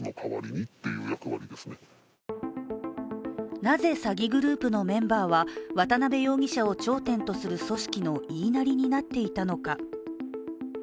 なぜ詐欺グループのメンバーは渡辺容疑者を頂点とする組織の言いなりになっていたのか。